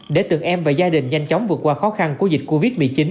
để từng em và gia đình nhanh chóng vượt qua khó khăn của dịch covid một mươi chín